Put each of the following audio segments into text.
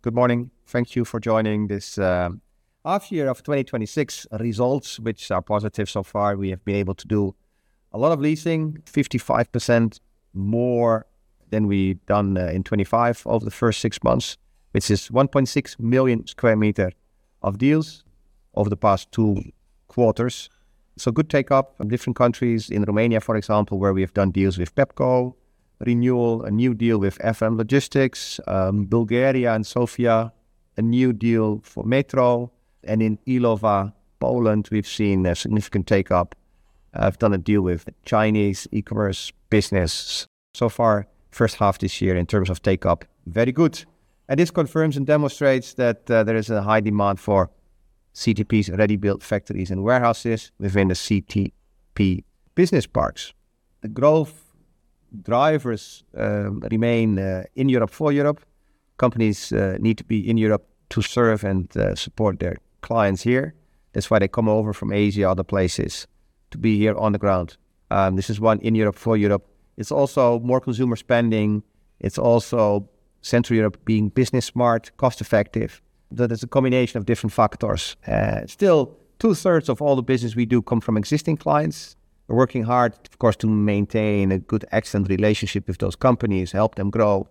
Good morning. Thank you for joining this half-year of 2026 results, which are positive so far. We have been able to do a lot of leasing, 55% more than we've done in 2025 of the first six months, which is 1.6 million sq m of deals over the past two quarters. Good take-up from different countries. In Romania, for example, where we have done deals with Pepco, renewal, a new deal with FM Logistic. Bulgaria and Sofia, a new deal for Metro, and in Iłowa, Poland, we've seen a significant take-up, have done a deal with a Chinese e-commerce business. So far, first half of this year in terms of take-up, very good. This confirms and demonstrates that there is a high demand for CTP's ready-built factories and warehouses within the CTP business parks. The growth drivers remain in Europe for Europe. Companies need to be in Europe to serve and support their clients here. That is why they come over from Asia, other places, to be here on the ground. This is one in Europe for Europe. It is also more consumer spending. It is also Central Europe being business smart, cost-effective. There is a combination of different factors. Still 2/3 of all the business we do come from existing clients. We are working hard, of course, to maintain a good, excellent relationship with those companies, help them grow.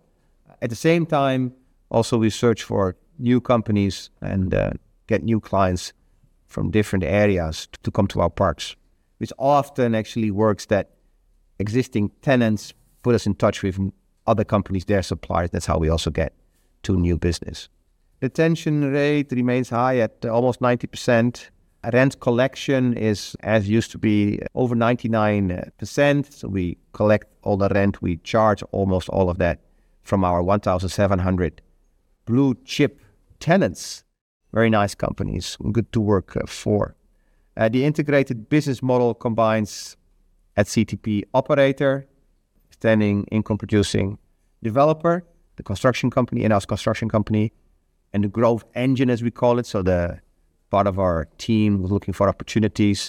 At the same time, also we search for new companies and get new clients from different areas to come to our parks. Often actually works that existing tenants put us in touch with other companies, their suppliers. That is how we also get to new business. Retention rate remains high at almost 90%. Rent collection is as used to be over 99%. We collect all the rent. We charge almost all of that from our 1,700 blue-chip tenants. Very nice companies, good to work for. The integrated business model combines CTP operator, standing income-producing developer, the construction company, in-house construction company, and the growth engine, as we call it, the part of our team who is looking for opportunities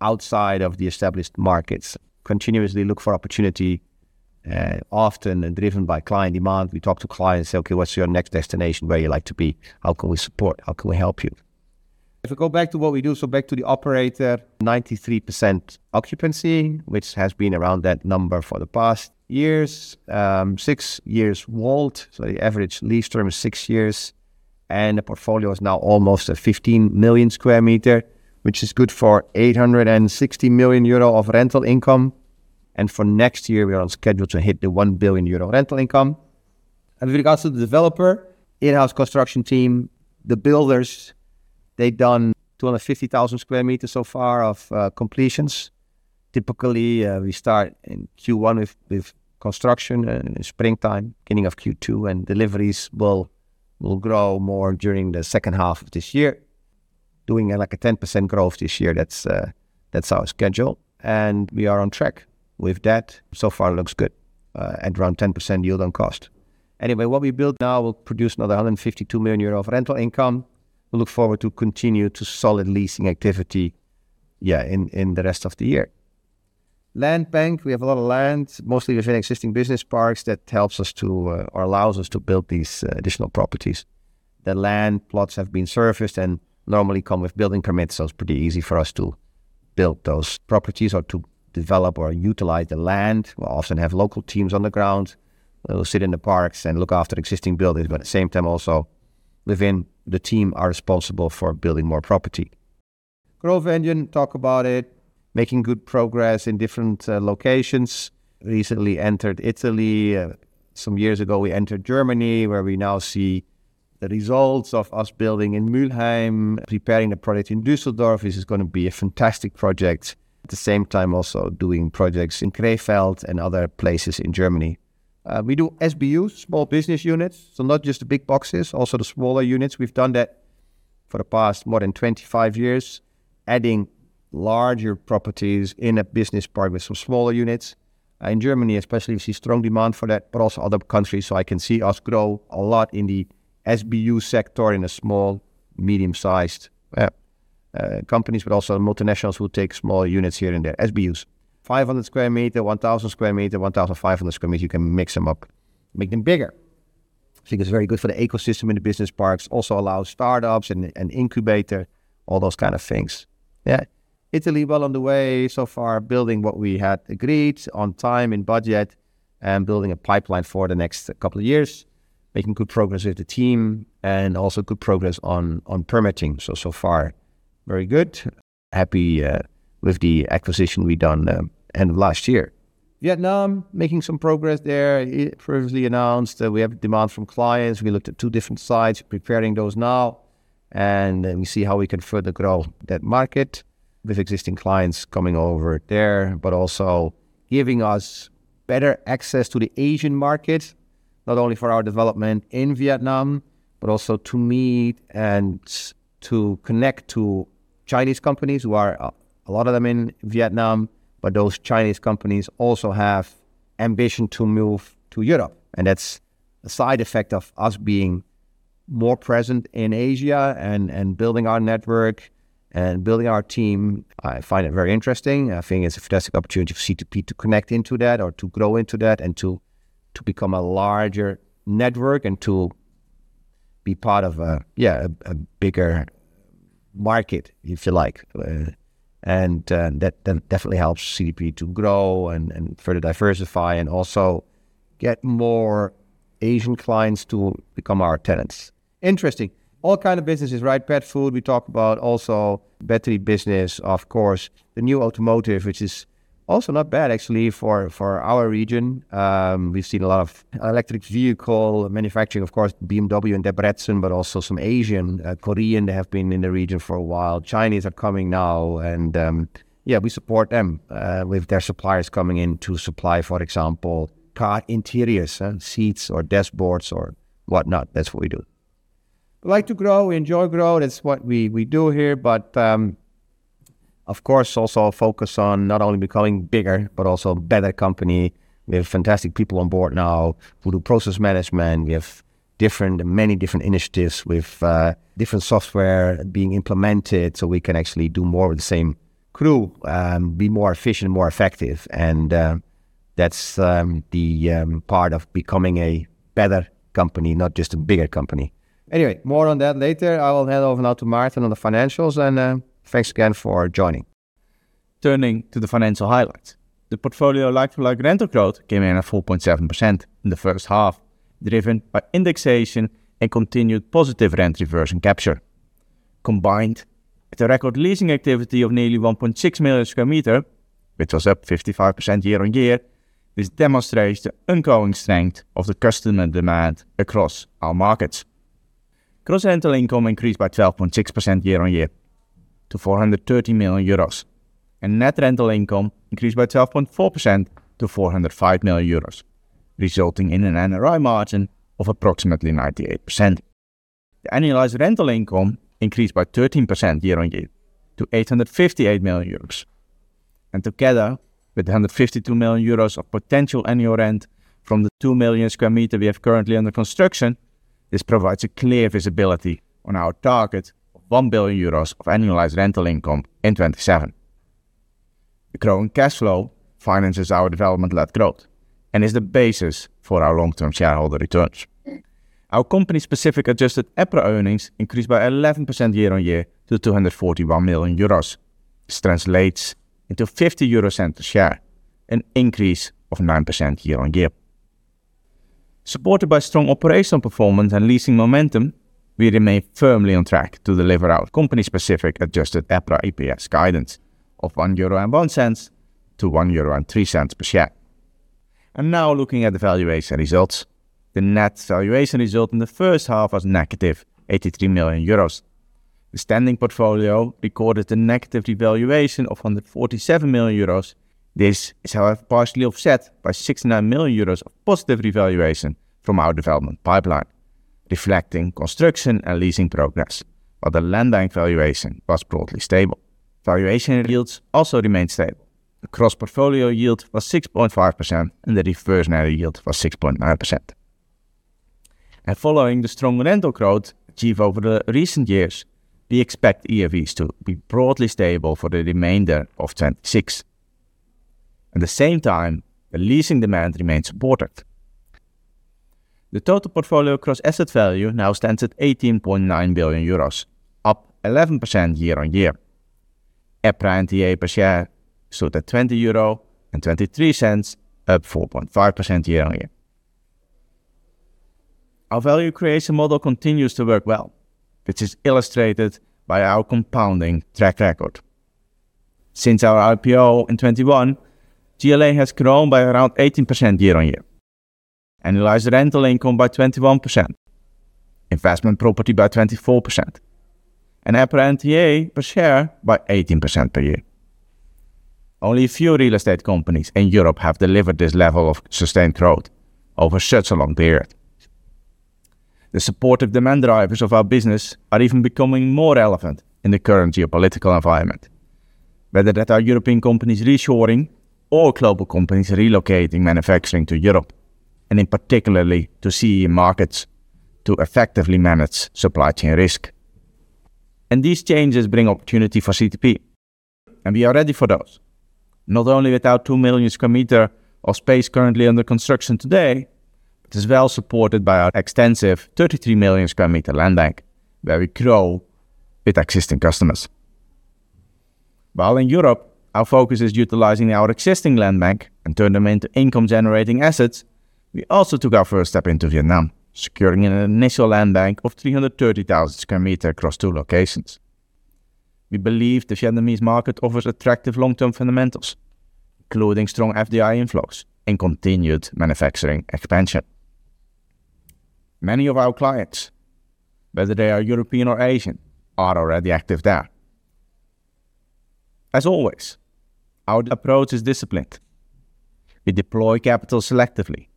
outside of the established markets. We continuously look for opportunity, often driven by client demand. We talk to clients, say, "Okay, what is your next destination? Where you like to be? How can we support? How can we help you?" Back to the operator, 93% occupancy, which has been around that number for the past years. Six years WAULT, the average lease term is six years, and the portfolio is now almost at 15 million sq m, which is good for 860 million euro of rental income. For next year, we are on schedule to hit the 1 billion euro rental income. With regards to the developer, in-house construction team, the builders, they have done 250,000 sq m so far of completions. Typically, we start in Q1 with construction in springtime, beginning of Q2, and deliveries will grow more during the second half of this year. Doing a 10% growth this year. That is our schedule, and we are on track with that. So far, it looks good. At around 10% yield on cost. What we build now will produce another 152 million euro of rental income. We look forward to continue to solid leasing activity in the rest of the year. Land bank, we have a lot of land, mostly within existing business parks. That allows us to build these additional properties. The land plots have been surfaced and normally come with building permits, it's pretty easy for us to build those properties or to develop or utilize the land. We'll often have local teams on the ground that will sit in the parks and look after existing buildings, at the same time also within the team are responsible for building more property. Growth engine, talk about it, making good progress in different locations. Recently entered Italy. Some years ago, we entered Germany, where we now see the results of us building in Mülheim, preparing a project in Düsseldorf. This is going to be a fantastic project. At the same time, also doing projects in Krefeld and other places in Germany. We do SBU, Small Business Units, not just the big boxes, also the smaller units. We've done that for the past more than 25 years, adding larger properties in a business park with some smaller units. In Germany especially, we see strong demand for that, also other countries. I can see us grow a lot in the SBU sector in the small, medium-sized companies, also multinationals will take small units here and there. SBUs, 500 sq m, 1,000 sq m, 1,500 sq m. You can mix them up, make them bigger. I think it's very good for the ecosystem in the business parks. Also allows startups and incubator, all those kind of things. Yeah. Italy well on the way so far, building what we had agreed on time and budget and building a pipeline for the next couple of years. Making good progress with the team and also good progress on permitting, so far very good. Happy with the acquisition we done end of last year. Vietnam, making some progress there. Previously announced that we have demand from clients. We looked at two different sites, preparing those now, and we see how we can further grow that market with existing clients coming over there, also giving us better access to the Asian market, not only for our development in Vietnam, but also to meet and to connect to Chinese companies who are a lot of them in Vietnam. Those Chinese companies also have ambition to move to Europe, that's a side effect of us being more present in Asia and building our network and building our team. I find it very interesting. I think it's a fantastic opportunity for CTP to connect into that or to grow into that and to become a larger network and to be part of a bigger market, if you like. That definitely helps CTP to grow and further diversify, also get more Asian clients to become our tenants. Interesting. All kind of businesses, right? Pet food, we talk about also battery business, of course, the new automotive, which is also not bad, actually, for our region. We've seen a lot of electric vehicle manufacturing, of course, BMW in Debrecen, also some Asian, Korean have been in the region for a while. Chinese are coming now and, yeah, we support them with their suppliers coming in to supply, for example, car interiors, seats, or dashboards, or whatnot. That's what we do. We like to grow, we enjoy growth. That's what we do here. Of course, also a focus on not only becoming bigger but also a better company. We have fantastic people on board now who do process management. We have many different initiatives. We have different software being implemented, so we can actually do more with the same crew, be more efficient, more effective, and that's the part of becoming a better company, not just a bigger company. Anyway, more on that later. I will hand over now to Maarten on the financials, and thanks again for joining. Turning to the financial highlights. The portfolio like-to-like rental growth came in at 4.7% in the first half, driven by indexation and continued positive rent reversion capture. Combined with a record leasing activity of nearly 1.6 million sq m, which was up 55% year-on-year, this demonstrates the ongoing strength of the customer demand across our markets. Gross rental income increased by 12.6% year-on-year to 430 million euros, and net rental income increased by 12.4% to 405 million euros, resulting in an NRI margin of approximately 98%. The annualized rental income increased by 13% year-on-year to 858 million euros, and together with the 152 million euros of potential annual rent from the 2 million sq m we have currently under construction, this provides a clear visibility on our target of 1 billion euros of annualized rental income in 2027. The growing cash flow finances our development-led growth and is the basis for our long-term shareholder returns. Our company-specific adjusted EPRA earnings increased by 11% year-on-year to 241 million euros. This translates into 0.50 per share, an increase of 9% year-on-year. Supported by strong operational performance and leasing momentum, we remain firmly on track to deliver our company-specific adjusted EPRA EPS guidance of 1.01-1.03 euro per share. Now looking at the valuation results. The net valuation result in the first half was negative 83 million euros. The standing portfolio recorded a negative revaluation of 147 million euros. This is, however, partially offset by 69 million euros of positive revaluation from our development pipeline, reflecting construction and leasing progress, while the land bank valuation was broadly stable. Valuation yields also remained stable. The cross-portfolio yield was 6.5%, and the reversionary yield was 6.9%. Following the strong rental growth achieved over the recent years, we expect GAVs to be broadly stable for the remainder of 2026. At the same time, the leasing demand remains supported. The total portfolio gross asset value now stands at 18.9 billion euros, up 11% year-on-year. EPRA NTA per share stood at 20.23 euro, up 4.5% year-on-year. Our value creation model continues to work well, which is illustrated by our compounding track record. Since our IPO in 2021, GLA has grown by around 18% year-on-year, annualized rental income by 21%, investment property by 24%, and EPRA NTA per share by 18% per year. Only a few real estate companies in Europe have delivered this level of sustained growth over such a long period. The supportive demand drivers of our business are even becoming more relevant in the current geopolitical environment, whether that are European companies reshoring or global companies relocating manufacturing to Europe, and in particularly to CEE markets to effectively manage supply chain risk. These changes bring opportunity for CTP, and we are ready for those. Not only with our 2 million sq m of space currently under construction today, but is well supported by our extensive 33 million sq m land bank where we grow with existing customers. While in Europe, our focus is utilizing our existing land bank and turn them into income-generating assets. We also took our first step into Vietnam, securing an initial land bank of 330,000 sq m across two locations. We believe the Vietnamese market offers attractive long-term fundamentals, including strong FDI inflows and continued manufacturing expansion. Many of our clients, whether they are European or Asian, are already active there. As always, our approach is disciplined. We deploy capital selectively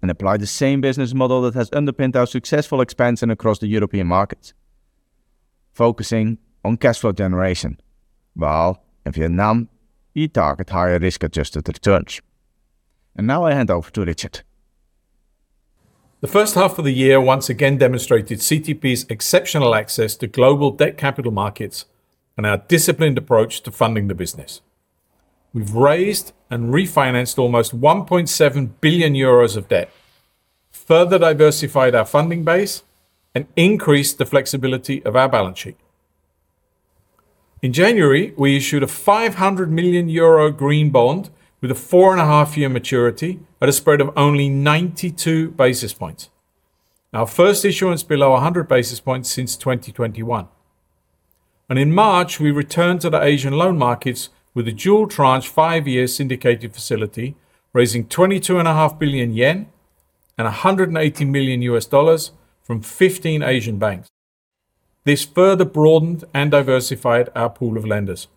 and apply the same business model that has underpinned our successful expansion across the European markets, focusing on cash flow generation. While in Vietnam, we target higher risk-adjusted returns. Now I hand over to Richard. The first half of the year once again demonstrated CTP's exceptional access to global debt capital markets and our disciplined approach to funding the business. We've raised and refinanced almost 1.7 billion euros of debt, further diversified our funding base, and increased the flexibility of our balance sheet. In January, we issued a 500 million euro green bond with a four-and-a-half-year maturity at a spread of only 92 basis points. Our first issuance below 100 basis points since 2021. In March, we returned to the Asian loan markets with a dual tranche, five-year syndicated facility, raising 22.5 billion yen and $180 million from 15 Asian banks. This further broadened and diversified our pool of lenders.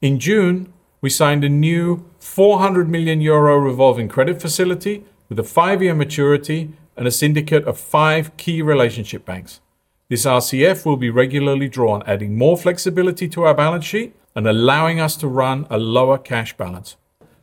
In June, we signed a new 400 million euro revolving credit facility with a five-year maturity and a syndicate of five key relationship banks. This RCF will be regularly drawn, adding more flexibility to our balance sheet and allowing us to run a lower cash balance.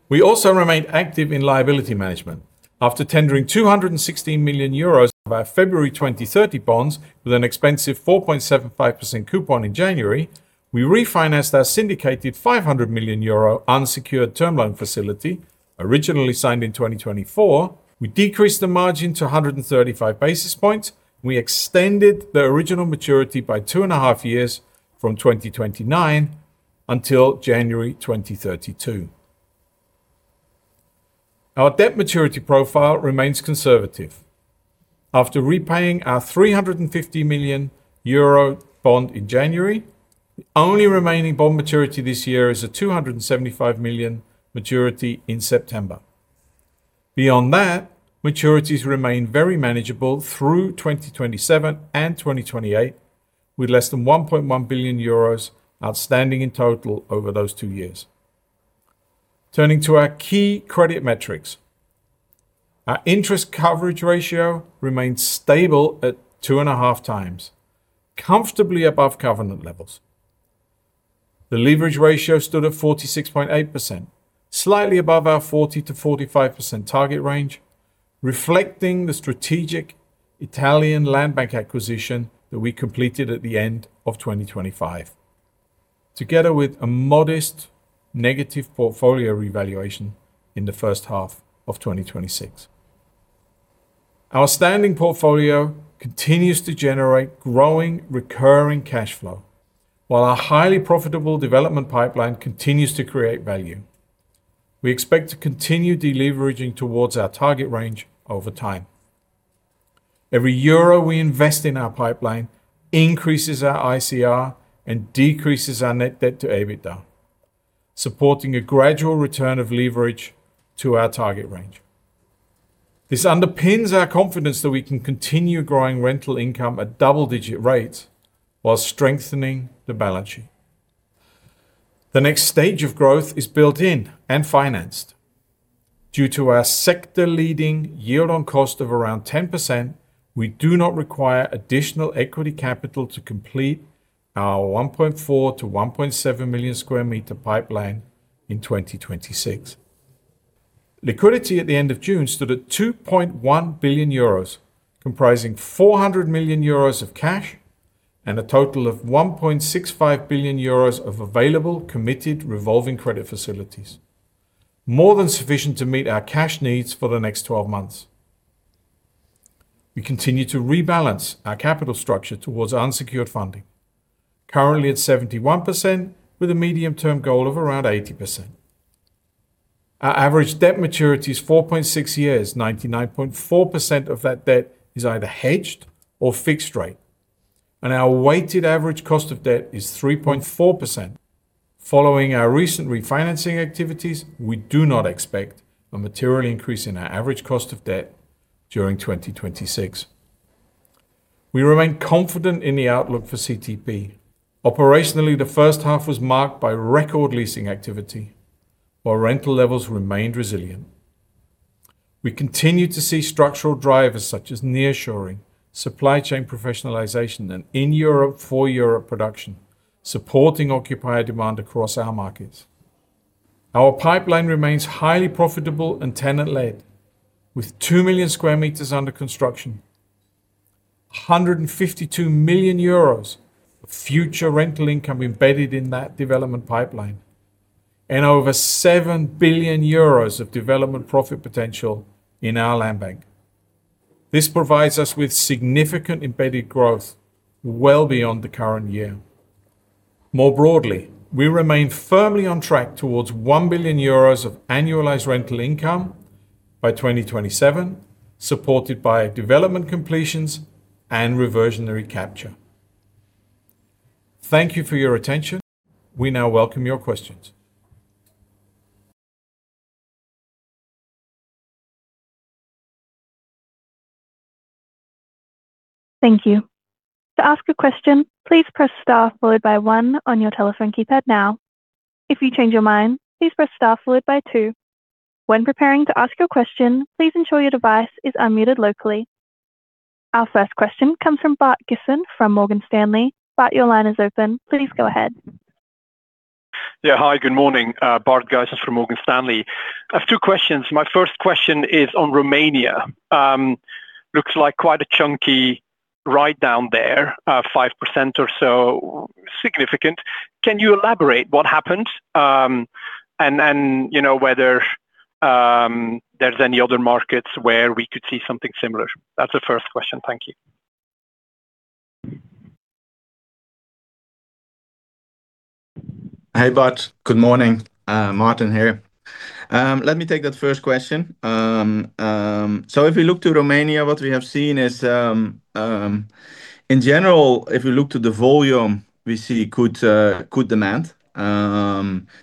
We also remain active in liability management. After tendering 216 million euros of our February 2030 bonds with an expensive 4.75% coupon in January, we refinanced our syndicated 500 million euro unsecured term loan facility, originally signed in 2024. We decreased the margin to 135 basis points. We extended the original maturity by two and a half-years from 2029 until January 2032. Our debt maturity profile remains conservative. After repaying our 350 million euro bond in January, the only remaining bond maturity this year is a 275 million maturity in September. Beyond that, maturities remain very manageable through 2027 and 2028, with less than 1.1 billion euros outstanding in total over those two years. Turning to our key credit metrics. Our interest coverage ratio remains stable at 2.5x, comfortably above covenant levels. The leverage ratio stood at 46.8%, slightly above our 40%-45% target range, reflecting the strategic Italian land bank acquisition that we completed at the end of 2025, together with a modest negative portfolio revaluation in the first half of 2026. Our standing portfolio continues to generate growing recurring cash flow while our highly profitable development pipeline continues to create value. We expect to continue deleveraging towards our target range over time. Every euro we invest in our pipeline increases our ICR and decreases our net debt to EBITDA, supporting a gradual return of leverage to our target range. This underpins our confidence that we can continue growing rental income at double-digit rates while strengthening the balance sheet. The next stage of growth is built in and financed. Due to our sector-leading yield on cost of around 10%, we do not require additional equity capital to complete our 1.4 million sq m-1.7 million sq m pipeline in 2026. Liquidity at the end of June stood at 2.1 billion euros, comprising 400 million euros of cash and a total of 1.65 billion euros of available committed revolving credit facilities, more than sufficient to meet our cash needs for the next 12 months. We continue to rebalance our capital structure towards unsecured funding, currently at 71%, with a medium-term goal of around 80%. Our average debt maturity is 4.6 years, 99.4% of that debt is either hedged or fixed rate, and our weighted average cost of debt is 3.4%. Following our recent refinancing activities, we do not expect a material increase in our average cost of debt during 2026. We remain confident in the outlook for CTP. Operationally, the first half was marked by record leasing activity while rental levels remained resilient. We continue to see structural drivers such as nearshoring, supply chain professionalization, and in Europe for Europe production, supporting occupier demand across our markets. Our pipeline remains highly profitable and tenant-led with 2 million sq m under construction, 152 million euros of future rental income embedded in that development pipeline, and over 7 billion euros of development profit potential in our land bank. This provides us with significant embedded growth well beyond the current year. More broadly, we remain firmly on track towards 1 billion euros of annualized rental income by 2027, supported by development completions and reversionary capture. Thank you for your attention. We now welcome your questions. Thank you. To ask a question, please press star followed by one on your telephone keypad now. If you change your mind, please press star followed by two. When preparing to ask your question, please ensure your device is unmuted locally. Our first question comes from Bart Gysens from Morgan Stanley. Bart, your line is open. Please go ahead. Yeah. Hi, good morning. Bart Gysens from Morgan Stanley. I have two questions. My first question is on Romania. Looks like quite a chunky write-down there, 5% or so significant. Can you elaborate what happened, and then whether there's any other markets where we could see something similar? That's the first question. Thank you. Hey, Bart. Good morning. Maarten here. Let me take that first question. If we look to Romania, what we have seen is, in general, if we look to the volume, we see good demand.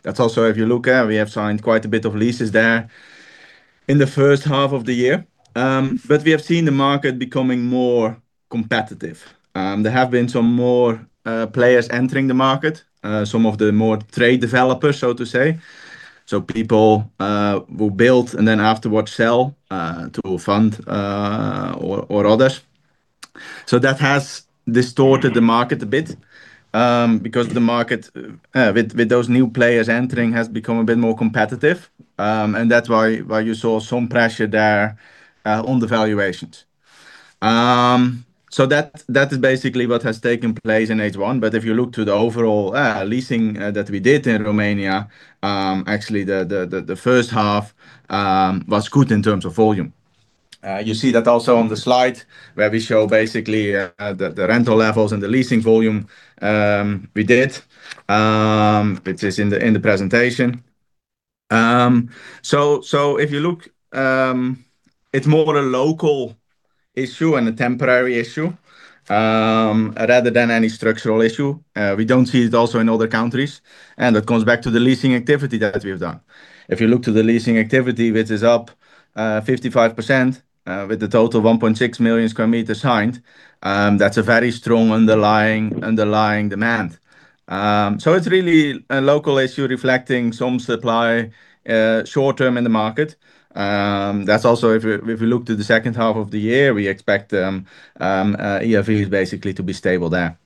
That's also if you look, we have signed quite a bit of leases there in the first half of the year, but we have seen the market becoming more competitive. There have been some more players entering the market, some of the more trade developers, so to say. People who build and then afterward sell to fund or others. That has distorted the market a bit, because the market with those new players entering, has become a bit more competitive. That's why you saw some pressure there on the valuations. That is basically what has taken place in H1, if you look to the overall leasing that we did in Romania, actually the first half was good in terms of volume. You see that also on the slide where we show basically the rental levels and the leasing volume we did, which is in the presentation. If you look, it's more a local issue and a temporary issue, rather than any structural issue. We don't see it also in other countries, that comes back to the leasing activity that we've done. If you look to the leasing activity, which is up 55% with a total of 1.6 million sq m signed, that's a very strong underlying demand. It's really a local issue reflecting some supply short-term in the market. If we look to the second half of the year, we expect ERV basically to be stable there.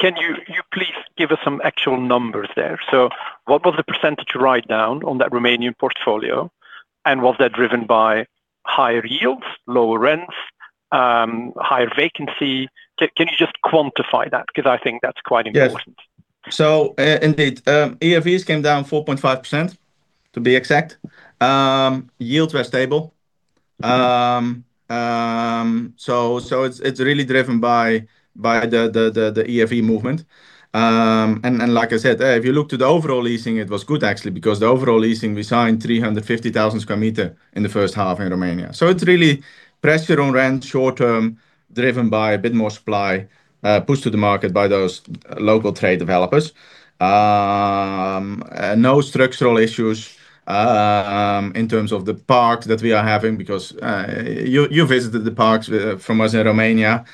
Can you please give us some actual numbers there? What was the percentage write-down on that Romanian portfolio, was that driven by higher yields, lower rents, higher vacancy? Can you just quantify that, because I think that's quite important. Yes. Indeed, ERVs came down 4.5% to be exact. Yields were stable. It's really driven by the ERV movement. Like I said, if you look to the overall leasing, it was good actually, because the overall leasing, we signed 350,000 sq m in the first half in Romania. It's really pressure on rent short-term, driven by a bit more supply, pushed to the market by those local trade developers. No structural issues in terms of the parks that we are having because you visited the parks from us in Romania.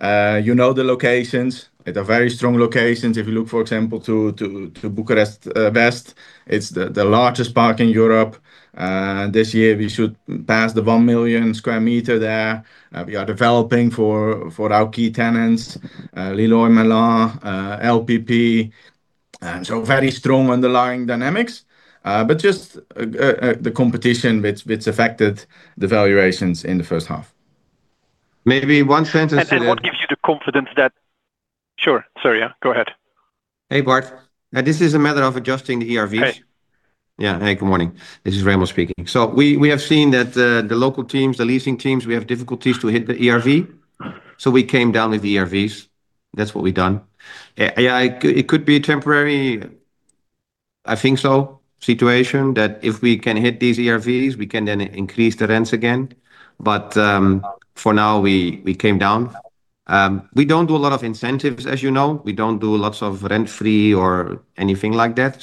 You know the locations. They're very strong locations. If you look, for example, to Bucharest West, it's the largest park in Europe. This year, we should pass the 1 million sq m there. We are developing for our key tenants, Leroy Merlin, LPP, very strong underlying dynamics. Just the competition which affected the valuations in the first half. Maybe one sentence. Then what gives you the confidence that Sure. Sorry, yeah, go ahead. Hey, Bart. This is a matter of adjusting the ERVs. Hey. Yeah. Hey, good morning. This is Remon speaking. We have seen that the local teams, the leasing teams, we have difficulties to hit the ERV, we came down with the ERVs. That's what we've done. It could be a temporary, I think so, situation that if we can hit these ERVs, we can then increase the rents again. For now, we came down. We don't do a lot of incentives, as you know. We don't do lots of rent-free or anything like that,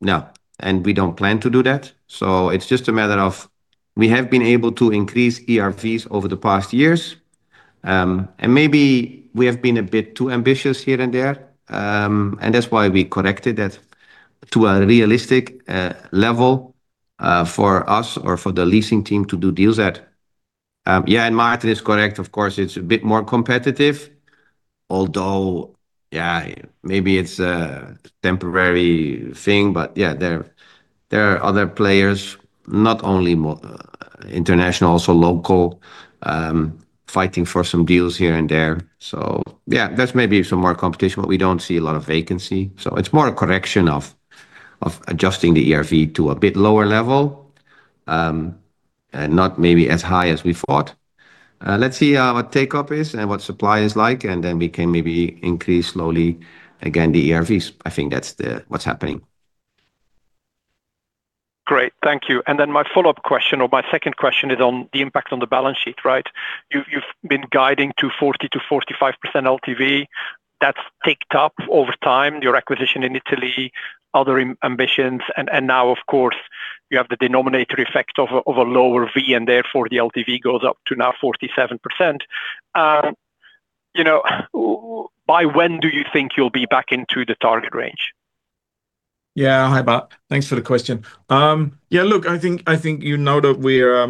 no. We don't plan to do that. It's just a matter of, we have been able to increase ERVs over the past years. Maybe we have been a bit too ambitious here and there, and that's why we corrected that to a realistic level, for us or for the leasing team to do deals at. Yeah, Maarten is correct. Of course, it's a bit more competitive, although, yeah, maybe it's a temporary thing. There are other players, not only international, also local, fighting for some deals here and there. So, yeah, that's maybe some more competition, but we don't see a lot of vacancy. It's more a correction of adjusting the ERV to a bit lower level, and not maybe as high as we thought. Let's see what take-up is and what supply is like, and then we can maybe increase slowly again the ERVs. I think that's what's happening. Great. Thank you. My follow-up question or my second question is on the impact on the balance sheet, right? You've been guiding to 40%-45% LTV. That's ticked up over time, your acquisition in Italy, other ambitions, and now of course, you have the denominator effect of a lower V, and therefore the LTV goes up to now 47%. By when do you think you'll be back into the target range? Yeah. Hi, Bart. Thanks for the question. Look, I think you know that we are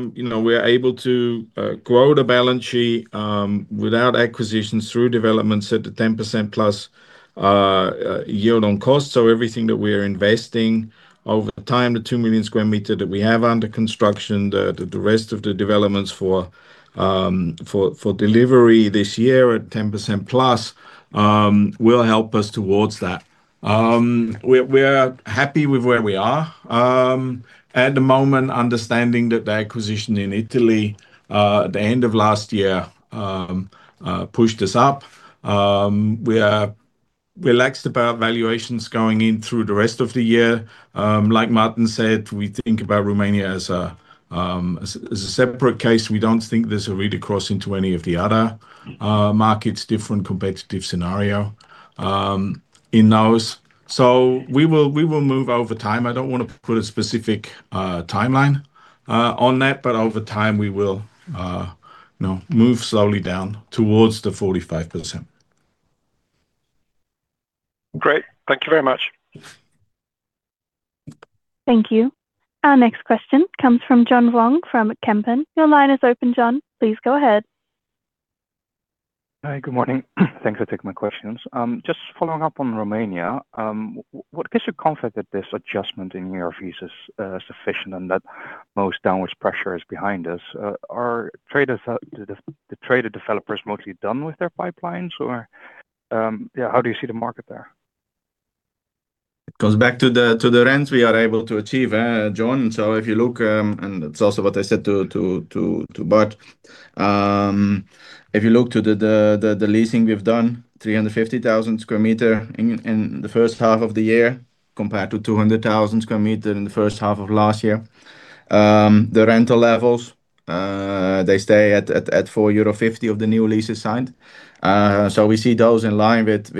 able to grow the balance sheet without acquisitions through developments at the 10%+ yield on cost. Everything that we are investing over time, the 2 million sq m that we have under construction, the rest of the developments for delivery this year at 10%+ will help us towards that. We are happy with where we are at the moment, understanding that the acquisition in Italy at the end of last year pushed us up. We are relaxed about valuations going in through the rest of the year. Like Maarten said, we think about Romania as a separate case. We don't think this will really cross into any of the other markets, different competitive scenario in those. We will move over time. I don't want to put a specific timeline on that, but over time, we will move slowly down towards the 45%. Great. Thank you very much. Thank you. Our next question comes from John Vuong from Kempen. Your line is open, John. Please go ahead. Hi. Good morning. Thanks for taking my questions. Just following up on Romania, what gives you comfort that this adjustment in your fees is sufficient and that most downward pressure is behind us? Are the traded developers mostly done with their pipelines or, yeah, how do you see the market there? It goes back to the rents we are able to achieve, John. If you look, and it is also what I said to Bart. If you look to the leasing we have done, 350,000 sq m in the first half of the year compared to 200,000 sq m in the first half of last year. The rental levels, they stay at 4.50 euro of the new leases signed. We see those in line with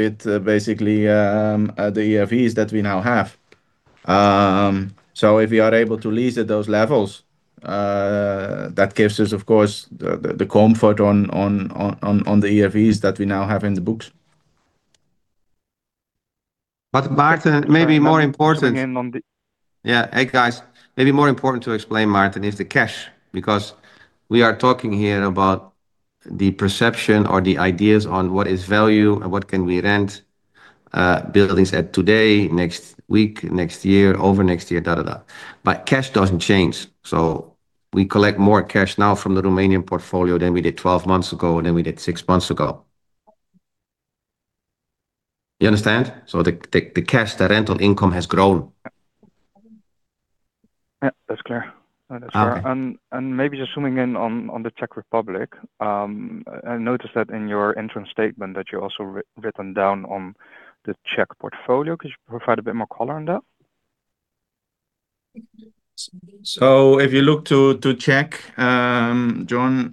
basically the ERVs that we now have. If we are able to lease at those levels, that gives us, of course, the comfort on the ERVs that we now have in the books. Maarten, maybe more important Zooming in on the Yeah. Hey, guys, maybe more important to explain, Maarten, is the cash, because we are talking here about the perception or the ideas on what is value and what can we rent buildings at today, next week, next year, over next year, da, da. Cash doesn't change. We collect more cash now from the Romanian portfolio than we did 12 months ago and than we did six months ago. You understand? The cash, the rental income has grown. Yeah, that's clear. Okay. That's clear. Maybe just zooming in on the Czech Republic, I noticed that in your interim statement that you also written down on the Czech portfolio. Could you provide a bit more color on that? If you look to Czech, John,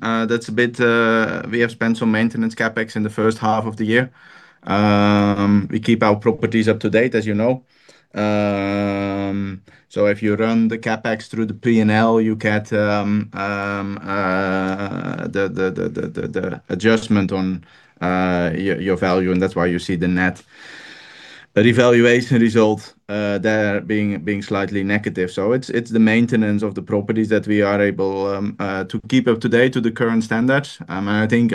we have spent some maintenance CapEx in the first half of the year. We keep our properties up to date, as you know. If you run the CapEx through the P&L, you get the adjustment on your value, and that's why you see the net revaluation result there being slightly negative. It's the maintenance of the properties that we are able to keep up to date to the current standards. I think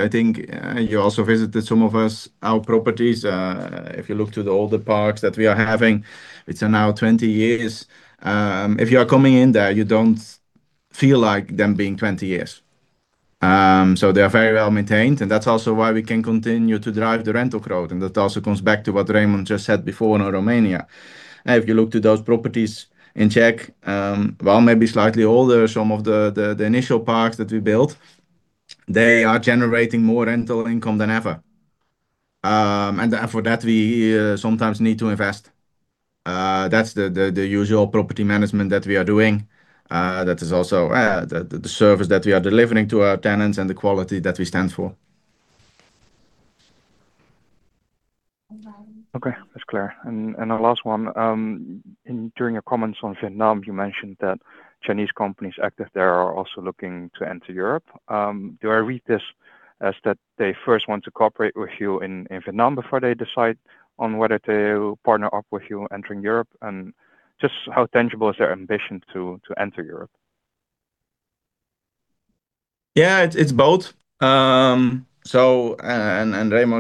you also visited some of our properties. If you look to the older parks that we are having, which are now 20 years, if you are coming in there, you don't feel like them being 20 years. They are very well maintained, that's also why we can continue to drive the rental growth, that also comes back to what Remon just said before on Romania. If you look to those properties in Czech, while maybe slightly older, some of the initial parks that we built, they are generating more rental income than ever. For that we sometimes need to invest. That's the usual property management that we are doing. That is also the service that we are delivering to our tenants and the quality that we stand for. Okay. That's clear. The last one, during your comments on Vietnam, you mentioned that Chinese companies active there are also looking to enter Europe. Do I read this as that they first want to cooperate with you in Vietnam before they decide on whether to partner up with you entering Europe? Just how tangible is their ambition to enter Europe? Yeah, it's both. Remon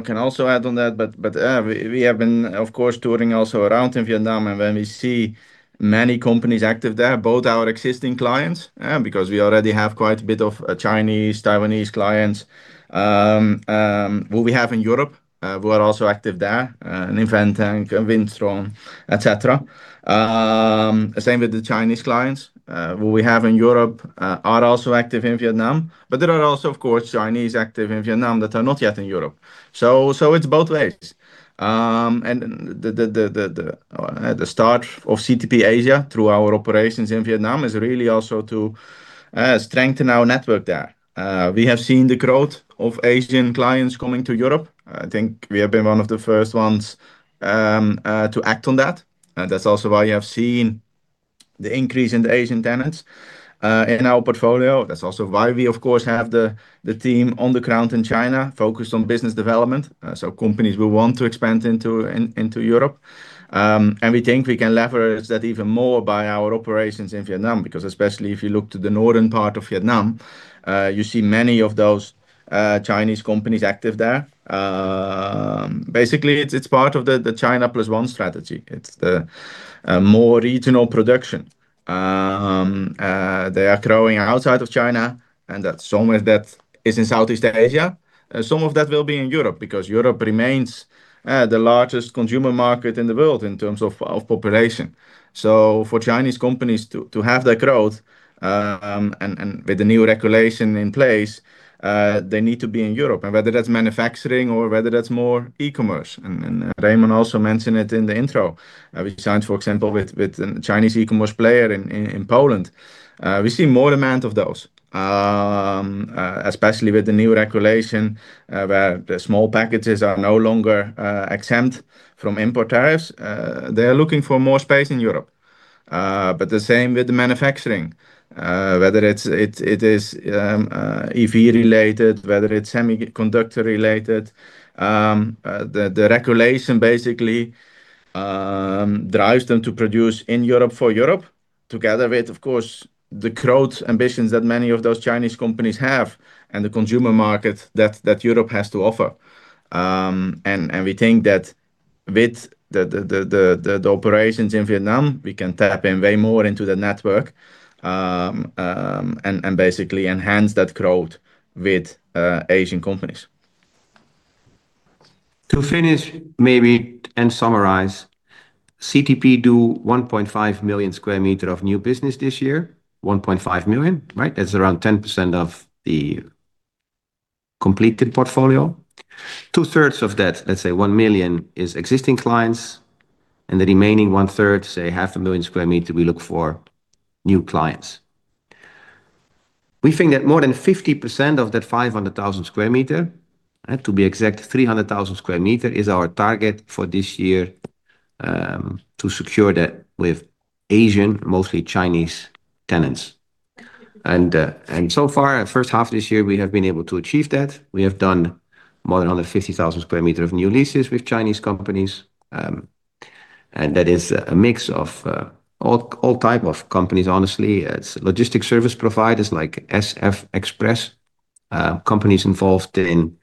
can also add on that, but we have been, of course, touring also around in Vietnam, and when we see many companies active there, both our existing clients, because we already have quite a bit of Chinese, Taiwanese clients, who we have in Europe, who are also active there, Inventec, Wistron, et cetera. Same with the Chinese clients who we have in Europe are also active in Vietnam. There are also, of course, Chinese active in Vietnam that are not yet in Europe. It's both ways. The start of CTP Vietnam through our operations in Vietnam is really also to strengthen our network there. We have seen the growth of Asian clients coming to Europe. I think we have been one of the first ones to act on that, and that's also why you have seen the increase in the Asian tenants in our portfolio. That's also why we, of course, have the team on the ground in China focused on business development, so companies will want to expand into Europe. We think we can leverage that even more by our operations in Vietnam, because especially if you look to the northern part of Vietnam, you see many of those Chinese companies active there. Basically, it's part of the China Plus One strategy. It's the more regional production. They are growing outside of China, and some of that is in Southeast Asia. Some of that will be in Europe, because Europe remains the largest consumer market in the world in terms of population. For Chinese companies to have that growth, and with the new regulation in place, they need to be in Europe, and whether that's manufacturing or whether that's more e-commerce. Remon also mentioned it in the intro. We signed, for example, with a Chinese e-commerce player in Poland. We see more demand of those, especially with the new regulation where the small packages are no longer exempt from import tariffs. They're looking for more space in Europe. The same with the manufacturing, whether it is EV related, whether it's semiconductor related. The regulation basically drives them to produce in Europe for Europe together with, of course, the growth ambitions that many of those Chinese companies have and the consumer market that Europe has to offer. We think that with the operations in Vietnam, we can tap in way more into the network, and basically enhance that growth with Asian companies. To finish maybe, summarize, CTP do 1.5 million sq m of new business this year. 1.5 million, right? That's around 10% of the completed portfolio. 2/3 of that, let's say 1 million, is existing clients, and the remaining 1/3, say 0.5 million sq m, we look for new clients. We think that more than 50% of that 500,000 sq m, to be exact, 300,000 sq m, is our target for this year to secure that with Asian, mostly Chinese tenants. So far, first half of this year, we have been able to achieve that. We have done more than 150,000 square meter of new leases with Chinese companies. That is a mix of all type of companies, honestly. It's logistic service providers like SF Express, companies involved in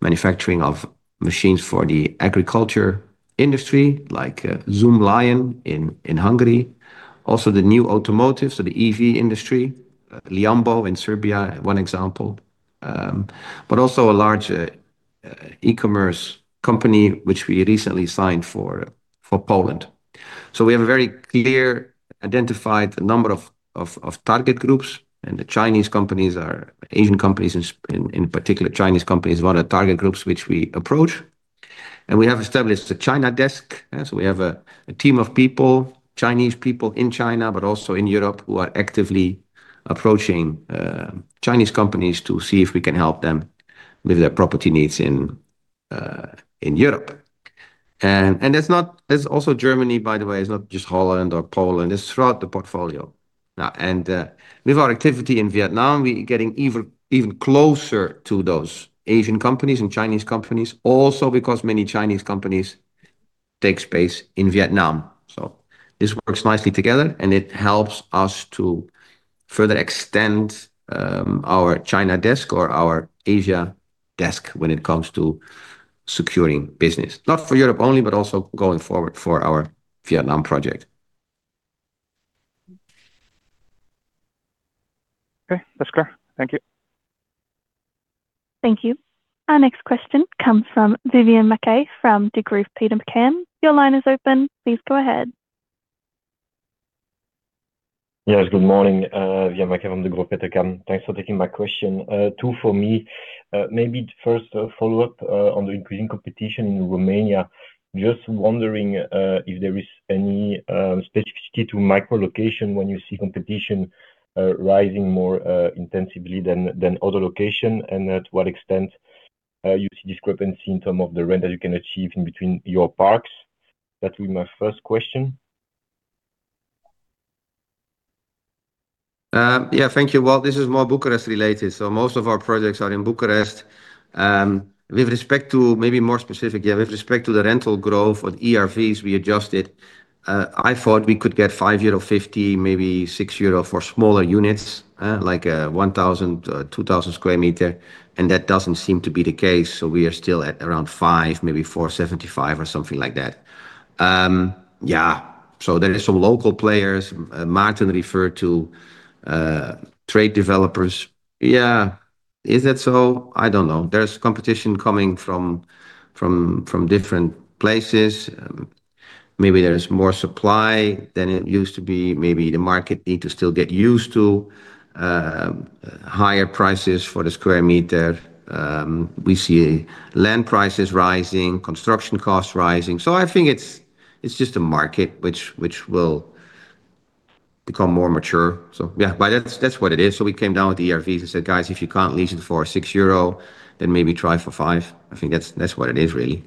manufacturing of machines for the agriculture industry like Zoomlion in Hungary. Also the new automotive, so the EV industry, Lianbo in Serbia, one example. Also a large e-commerce company which we recently signed for Poland. We have a very clear identified number of target groups, and the Chinese companies or Asian companies, in particular Chinese companies, one of the target groups which we approach. We have established a China desk. We have a team of people, Chinese people in China, but also in Europe, who are actively approaching Chinese companies to see if we can help them with their property needs in Europe. It's also Germany, by the way. It's not just Holland or Poland. It's throughout the portfolio now. With our activity in Vietnam, we getting even closer to those Asian companies and Chinese companies also because many Chinese companies take space in Vietnam. This works nicely together, and it helps us to further extend our China desk or our Asia desk when it comes to securing business. Not for Europe only, but also going forward for our Vietnam project. Okay. That's clear. Thank you. Thank you. Our next question comes from Vivien Maquet from Degroof Petercam. Your line is open. Please go ahead. Yes. Good morning, Vivien Maquet from Degroof Petercam. Thanks for taking my question. Two for me. Maybe first a follow-up on the increasing competition in Romania. Just wondering if there is any specificity to micro location when you see competition rising more intensively than other location, and to what extent you see discrepancy in term of the rent that you can achieve in between your parks. That will be my first question. Yeah. Thank you. Well, this is more Bucharest related. Most of our projects are in Bucharest. With respect to maybe more specific, with respect to the rental growth or the ERVs we adjusted, I thought we could get 5.50 euro, maybe 6 euro for smaller units, like 1,000 sq m-2,000 sq m, and that doesn't seem to be the case. We are still at around 5, maybe 4.75 or something like that. There is some local players. Maarten referred to trade developers. Is that so? I don't know. There's competition coming from different places. Maybe there's more supply than it used to be. Maybe the market need to still get used to higher prices for the square meter. We see land prices rising, construction costs rising. I think it's just a market which will become more mature. That's what it is. We came down with the ERVs and said, "Guys, if you can't lease it for 6 euro, then maybe try for 5." I think that's what it is, really.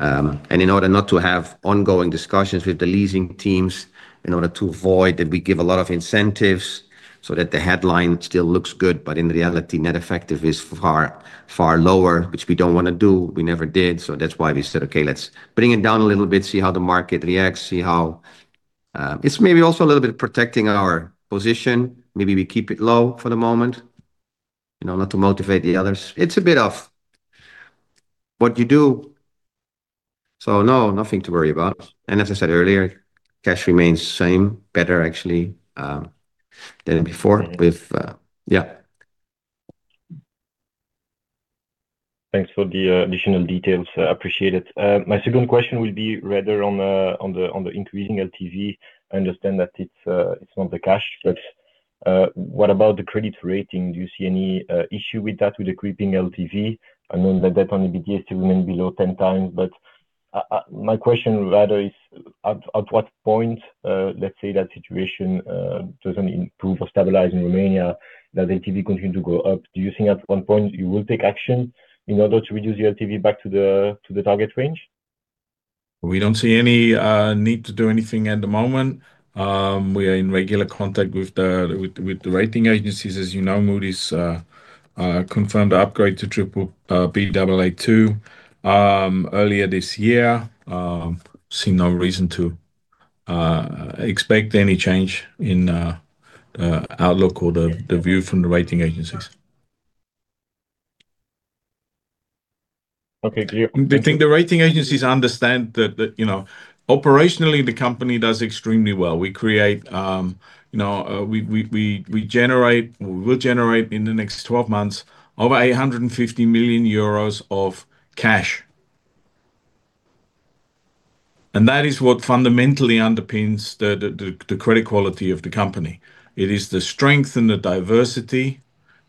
In order not to have ongoing discussions with the leasing teams, in order to avoid that we give a lot of incentives so that the headline still looks good, but in reality, net effective is far, far lower, which we don't want to do. We never did. That's why we said, "Okay, let's bring it down a little bit, see how the market reacts." It's maybe also a little bit protecting our position. Maybe we keep it low for the moment, not to motivate the others. It's a bit of what you do. No, nothing to worry about. As I said earlier, cash remains same, better actually, than before. Thanks for the additional details. Appreciate it. My second question will be rather on the increasing LTV. I understand that it's not the cash, but what about the credit rating? Do you see any issue with that, with the creeping LTV? I know that that only begins to remain below 10x, but my question rather is at what point, let's say that situation doesn't improve or stabilize in Romania, does LTV continue to go up? Do you think at one point you will take action in order to reduce your LTV back to the target range? We don't see any need to do anything at the moment. We are in regular contact with the rating agencies. As you know, Moody's confirmed the upgrade to Baa2 earlier this year. We see no reason to expect any change in outlook or the view from the rating agencies. Okay. Clear. Thank you. I think the rating agencies understand that operationally, the company does extremely well. We will generate in the next 12 months over 850 million euros of cash. That is what fundamentally underpins the credit quality of the company. It is the strength and the diversity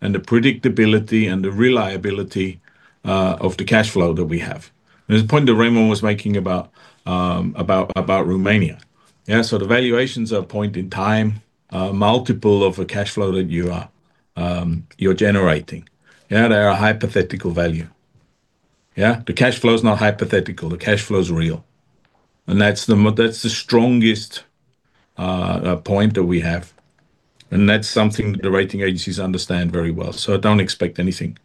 and the predictability and the reliability of the cash flow that we have. There's a point that Remon was making about Romania. Yeah. The valuations are a point in time, a multiple of a cash flow that you're generating. They're a hypothetical value. Yeah. The cash flow is not hypothetical. The cash flow is real. That's the strongest point that we have, and that's something the rating agencies understand very well. Don't expect anything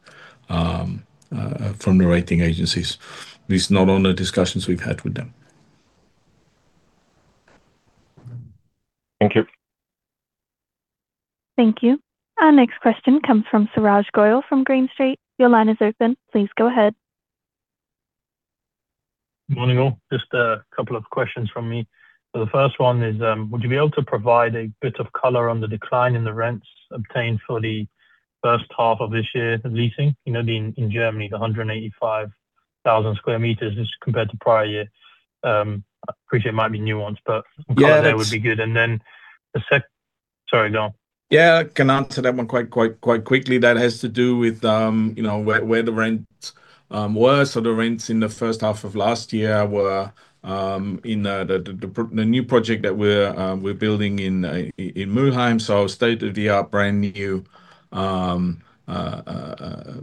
from the rating agencies, at least not on the discussions we've had with them. Thank you. Thank you. Our next question comes from Suraj Goyal from GreenStreet. Your line is open. Please go ahead. Morning, all. Just a couple of questions from me. The first one is, would you be able to provide a bit of color on the decline in the rents obtained for the first half of this year leasing? In Germany, the 185,000 sq m as compared to prior year. I appreciate it might be nuanced, but- Yeah. -would be good. Sorry, go on. Yeah, I can answer that one quite quickly. That has to do with where the rents were. The rents in the first half of last year were in the new project that we're building in Mülheim, state-of-the-art, brand new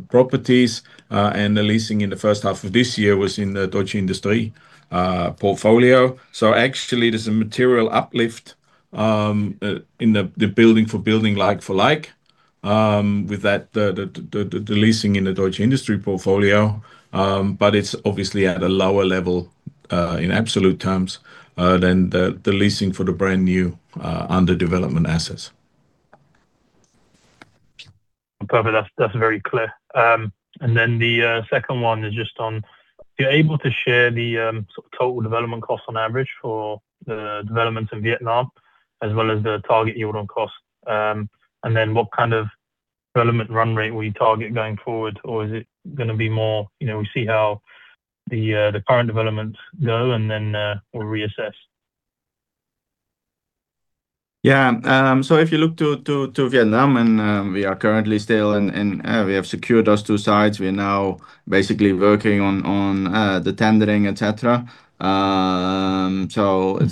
properties. The leasing in the first half of this year was in the Deutsche Industrie portfolio. Actually, there's a material uplift in the building for building, like for like, with the leasing in the Deutsche Industrie portfolio. It's obviously at a lower level in absolute terms than the leasing for the brand new under development assets. Perfect. That's very clear. The second one is just on, if you're able to share the total development cost on average for the developments in Vietnam as well as the target yield on cost. What kind of development run rate will you target going forward? Is it going to be more, we see how the current developments go and then we'll reassess? Yeah. If you look to Vietnam, and we have secured those two sites. We are now basically working on the tendering, et cetera. It's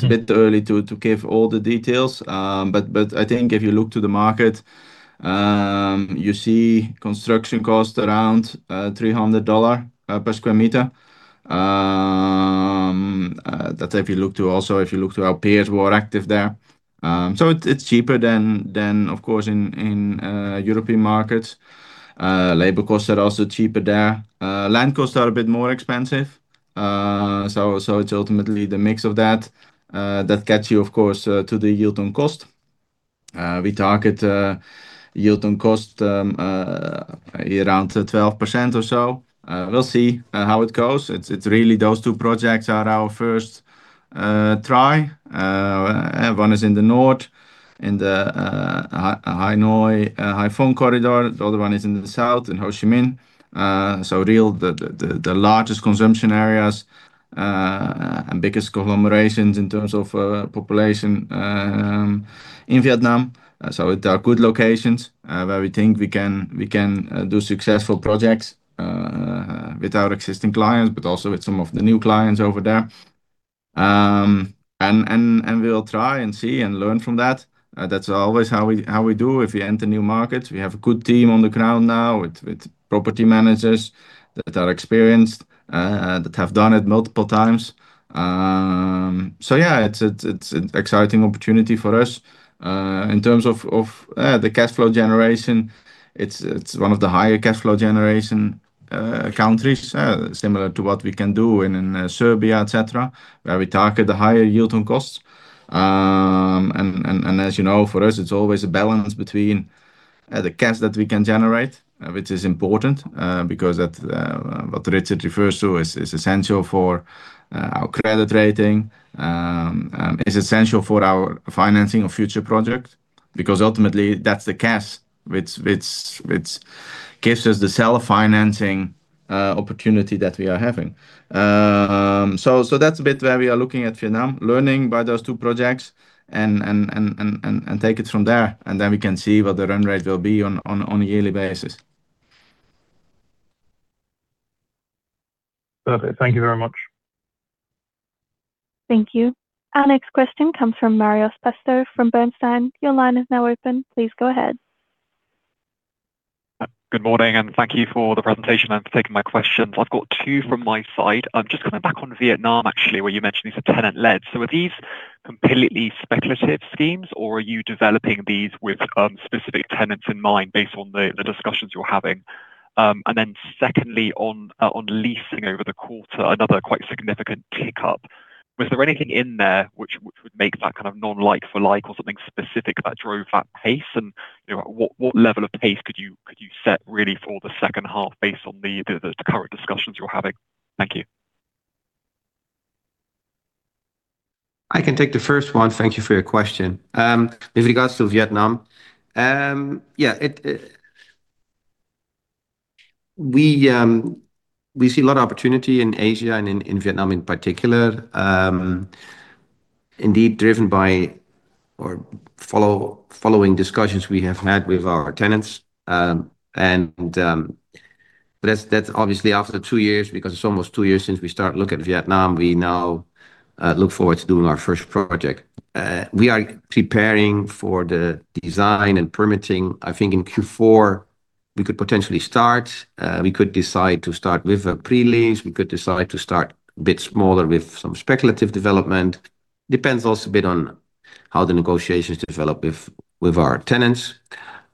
a bit early to give all the details. I think if you look to the market, you see construction cost around $300 per sq m. That if you look to also our peers who are active there. It's cheaper than, of course, in European markets. Labor costs are also cheaper there. Land costs are a bit more expensive. It's ultimately the mix of that gets you, of course, to the yield on cost. We target yield on cost around 12% or so. We'll see how it goes. It's really those two projects are our first try. One is in the north in the Hanoi-Haiphong corridor. The other one is in the south in Ho Chi Minh. Really the largest consumption areas and biggest conglomerations in terms of population in Vietnam. They are good locations where we think we can do successful projects with our existing clients, but also with some of the new clients over there. We'll try and see and learn from that. That's always how we do if we enter new markets. We have a good team on the ground now with property managers that are experienced, that have done it multiple times. Yeah, it's an exciting opportunity for us. In terms of the cash flow generation, it's one of the higher cash flow generation countries, similar to what we can do in Serbia, et cetera, where we target the higher yield on costs. As you know, for us, it's always a balance between the cash that we can generate, which is important, because what Richard refers to is essential for our credit rating, is essential for our financing of future projects, because ultimately, that's the cash which gives us the self-financing opportunity that we are having. That's a bit where we are looking at Vietnam, learning by those two projects and take it from there, and then we can see what the run rate will be on a yearly basis. Perfect. Thank you very much. Thank you. Our next question comes from Marios Pastou from Bernstein. Your line is now open. Please go ahead. Good morning. Thank you for the presentation and for taking my questions. I've got two from my side. Coming back on Vietnam, actually, where you mentioned these are tenant-led. Are these completely speculative schemes, or are you developing these with specific tenants in mind based on the discussions you're having? Secondly, on leasing over the quarter, another quite significant tick-up. Was there anything in there which would make that kind of non like for like or something specific that drove that pace? What level of pace could you set really for the second half based on the current discussions you're having? Thank you. I can take the first one. Thank you for your question. With regards to Vietnam, we see a lot of opportunity in Asia and in Vietnam in particular, indeed driven by or following discussions we have had with our tenants. That's obviously after two years, because it's almost two years since we start look at Vietnam. We now look forward to doing our first project. We are preparing for the design and permitting. I think in Q4 we could potentially start. We could decide to start with a pre-lease. We could decide to start a bit smaller with some speculative development. Depends also a bit on how the negotiations develop with our tenants.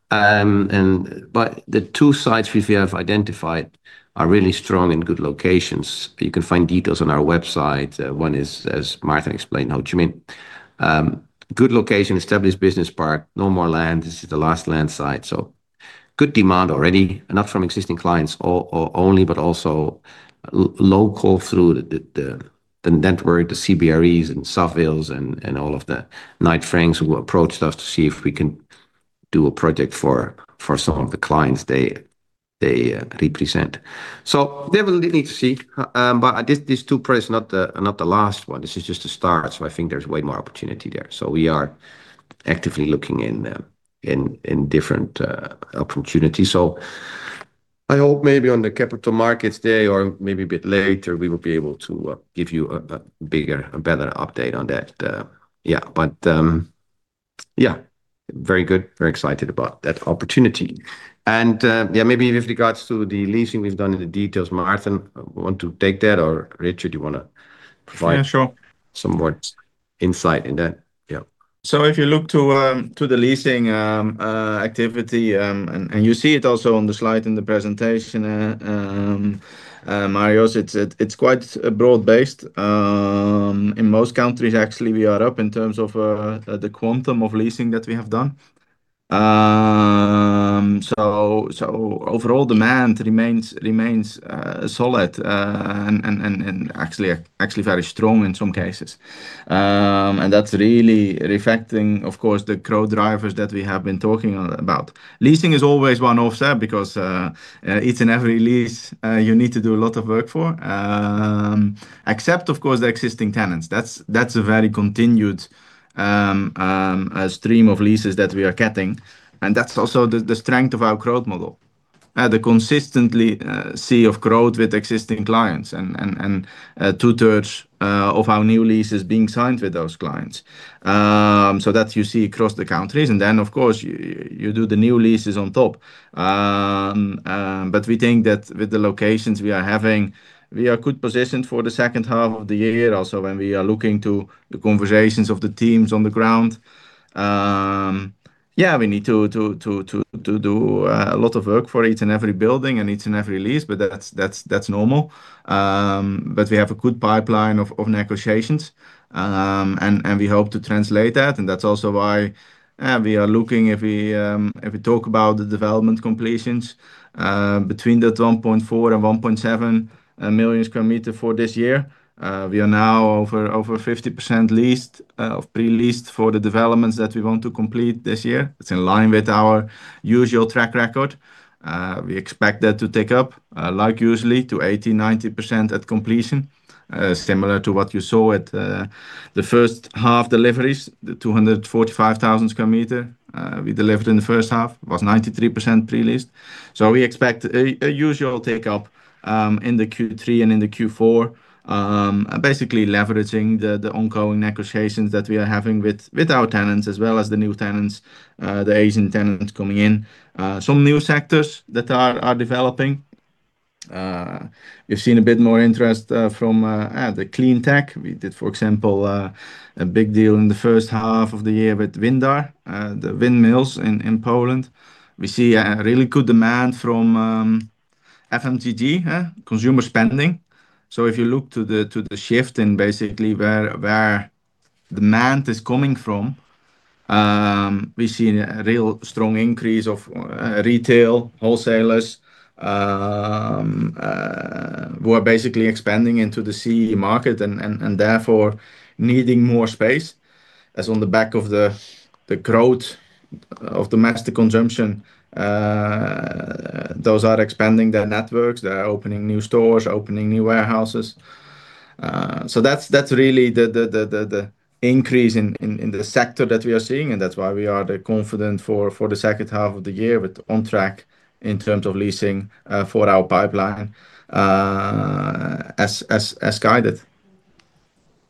The two sites we have identified are really strong in good locations. You can find details on our website. One is, as Maarten explained, Ho Chi Minh. Good location, established business park, no more land. This is the last land site, so good demand already, and not from existing clients only, but also local through the network, the CBREs and Savills and all of the Knight Frank's who approached us to see if we can do a project for some of the clients they represent. Definitely need to see, but these two projects are not the last one. This is just a start, so I think there's way more opportunity there. We are actively looking in different opportunities. I hope maybe on the Capital Markets Day or maybe a bit later, we will be able to give you a bigger and better update on that. Yeah, very good. Very excited about that opportunity. Maybe with regards to the leasing we've done in the details, Maarten, want to take that? Richard, you want to provide- Yeah, sure some more insight in that? Yeah. If you look to the leasing activity, you see it also on the slide in the presentation, Marios, it's quite broad-based. In most countries, actually, we are up in terms of the quantum of leasing that we have done. Overall demand remains solid, actually very strong in some cases. That's really reflecting, of course, the growth drivers that we have been talking about. Leasing is always one offset because each and every lease you need to do a lot of work for, except, of course, the existing tenants. That's a very continued stream of leases that we are getting, and that's also the strength of our growth model. The consistent stream of growth with existing clients and 2/3 of our new leases being signed with those clients. That you see across the countries, then, of course, you do the new leases on top. We think that with the locations we are having, we are good positioned for the second half of the year. When we are looking to the conversations of the teams on the ground, we need to do a lot of work for each and every building and each and every lease, that's normal. We have a good pipeline of negotiations, we hope to translate that. That's also why we are looking, if we talk about the development completions, between that 1.4 million sq m and 1.7 million sq m for this year. We are now over 50% pre-leased for the developments that we want to complete this year. It's in line with our usual track record. We expect that to take up, like usually, to 80%-90% at completion, similar to what you saw at the first half deliveries, the 245,000 sq m we delivered in the first half was 93% pre-leased. We expect a usual take-up in the Q3 and in the Q4, basically leveraging the ongoing negotiations that we are having with our tenants as well as the new tenants, the Asian tenants coming in. Some new sectors that are developing. We've seen a bit more interest from the clean tech. We did, for example, a big deal in the first half of the year with Windar, the windmills in Poland. We see a really good demand from FMCG, consumer spending. If you look to the shift in basically where demand is coming from, we see a real strong increase of retail wholesalers who are basically expanding into the CEE market and therefore needing more space. As on the back of the growth of the mass consumption, those are expanding their networks. They are opening new stores, opening new warehouses. That's really the increase in the sector that we are seeing, and that's why we are confident for the second half of the year with on track in terms of leasing for our pipeline as guided.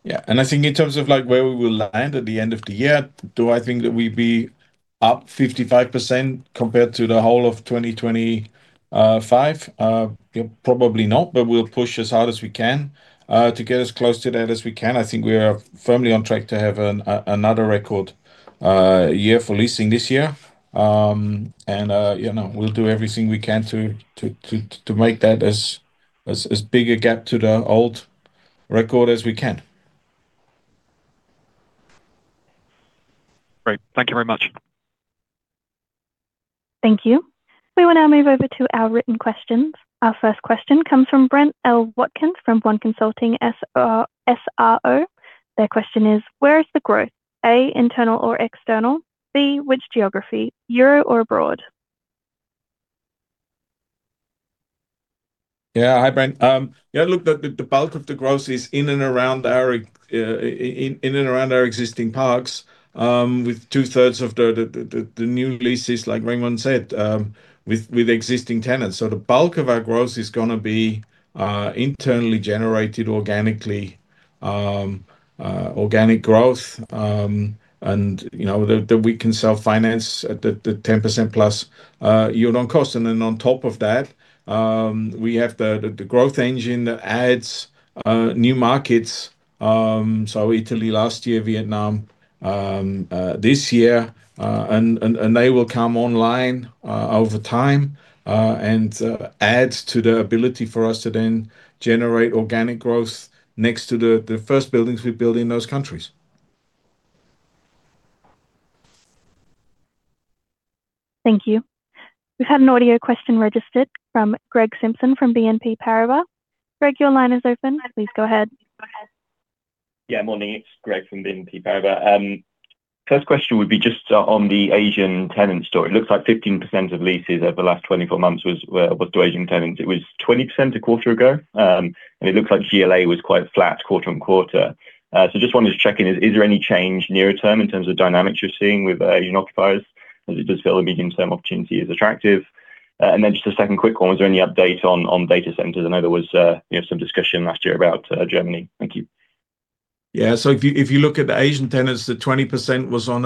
Yeah. I think in terms of where we will land at the end of the year, do I think that we'd be up 55% compared to the whole of 2025? Probably not, but we'll push as hard as we can to get as close to that as we can. I think we are firmly on track to have another record year for leasing this year. We'll do everything we can to make that as big a gap to the old record as we can. Great. Thank you very much. Thank you. We will now move over to our written questions. Our first question comes from Brent L. Watkins from One Consulting, s.r.o.. Their question is, "Where is the growth? A, internal or external? B, which geography? Europe or abroad? Hi, Brent. Look, the bulk of the growth is in and around our existing parks, with 2/3 of the new leases, like Remon said, with existing tenants. The bulk of our growth is going to be internally generated organically, organic growth, and that we can self-finance at the 10%+ yield on cost. On top of that, we have the growth engine that adds new markets. Italy last year, Vietnam this year, and they will come online over time, and adds to the ability for us to then generate organic growth next to the first buildings we build in those countries. Thank you. We had an audio question registered from Greg Simpson from BNP Paribas. Greg, your line is open. Please go ahead. Morning. It is Greg from BNP Paribas. First question would be just on the Asian tenant story. It looks like 15% of leases over the last 24 months was to Asian tenants. It was 20% a quarter ago, and it looks like GLA was quite flat quarter-on-quarter. Just wanted to check in. Is there any change near term in terms of dynamics you are seeing with Asian occupiers as it does feel the medium term opportunity is attractive? Just a second quick one. Was there any update on data centers? I know there was some discussion last year about Germany. Thank you. If you look at the Asian tenants, the 20% was on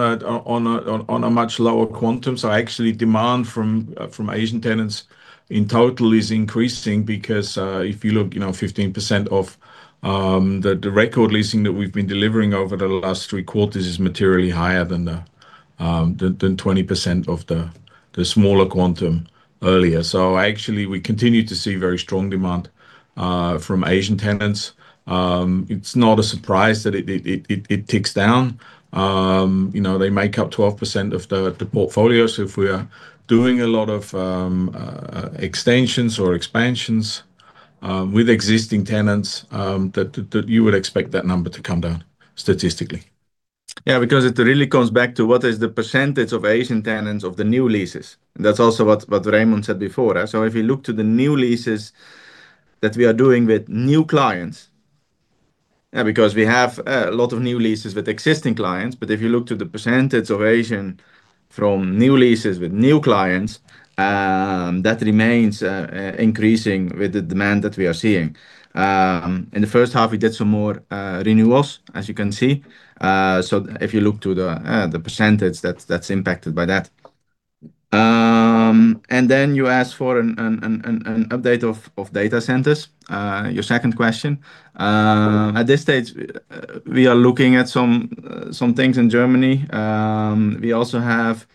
a much lower quantum. Actually demand from Asian tenants in total is increasing because if you look, 15% of the record leasing that we have been delivering over the last three quarters is materially higher than 20% of the smaller quantum earlier. Actually, we continue to see very strong demand from Asian tenants. It is not a surprise that it ticks down. They make up 12% of the portfolio. If we are doing a lot of extensions or expansions with existing tenants, that you would expect that number to come down statistically. It really comes back to what is the percentage of Asian tenants of the new leases? That's also what Remon said before. If you look to the new leases that we are doing with new clients, because we have a lot of new leases with existing clients, but if you look to the percentage of Asian from new leases with new clients, that remains increasing with the demand that we are seeing. In the first half, we did some more renewals, as you can see. If you look to the percentage, that's impacted by that. Then you asked for an update of data centers, your second question. At this stage, we are looking at some things in Germany. We also have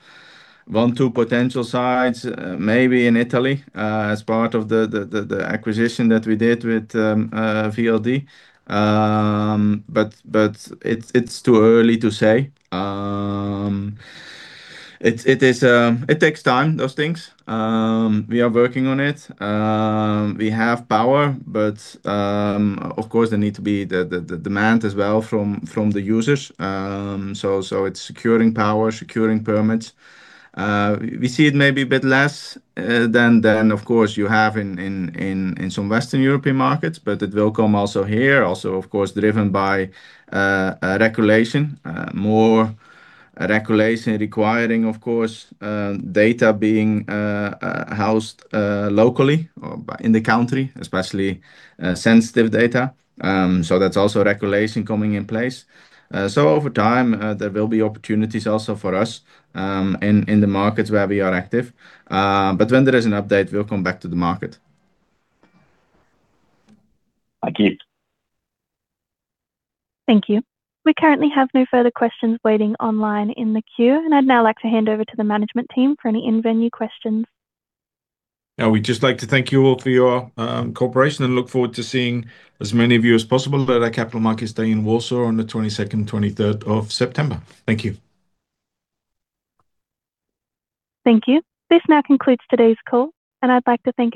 one, two potential sites maybe in Italy as part of the acquisition that we did with VLD. It's too early to say. It takes time, those things. We are working on it. We have power, but of course there need to be the demand as well from the users. It's securing power, securing permits. We see it may be a bit less than, of course, you have in some Western European markets, but it will come also here. Of course, driven by regulation. More regulation requiring, of course, data being housed locally or in the country, especially sensitive data. That's also regulation coming in place. Over time, there will be opportunities also for us in the markets where we are active. When there is an update, we'll come back to the market. Thank you. Thank you. We currently have no further questions waiting online in the queue. I'd now like to hand over to the management team for any in-venue questions. Yeah. We'd just like to thank you all for your cooperation and look forward to seeing as many of you as possible at our Capital Markets Day in Warsaw on the 22nd and 23rd of September. Thank you. Thank you. This now concludes today's call, and I'd like to thank